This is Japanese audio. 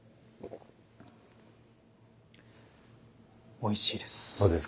おいしいです。